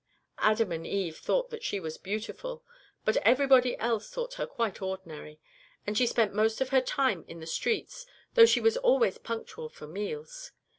Adam and Eve thought that she was very beautiful, but everybody else thought her quite ordinary, and she spent most of her time in the streets, though she was always punctual for meals.